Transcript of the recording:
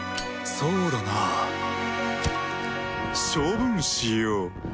そうだな処分しよう。